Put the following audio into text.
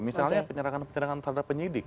misalnya penyerangan penyerangan terhadap penyidik